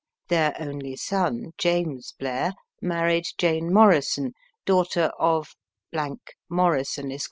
Their only son, James Blair, married Jane Morrison, daughter of Morrison, Esq.